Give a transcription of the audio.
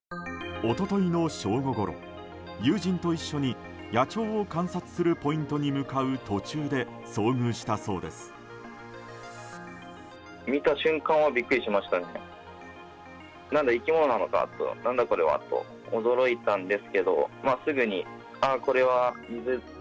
一昨日の正午ごろ友人と一緒に野鳥を観察するポイントに向かう途中で遭遇したそうです。